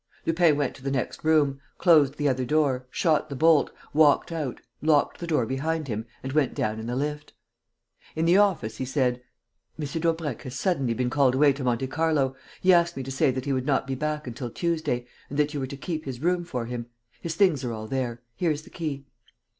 Lupin went to the next room, closed the other door, shot the bolt, walked out, locked the door behind him and went down in the lift. In the office, he said: "M. Daubrecq has suddenly been called away to Monte Carlo. He asked me to say that he would not be back until Tuesday and that you were to keep his room for him. His things are all there. Here is the key."